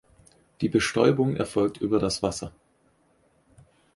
Die Bestäubung erfolgt über das Wasser.